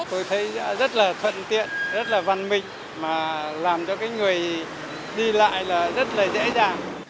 tôi thấy rất là thuận tiện rất là văn minh mà làm cho người đi lại là rất là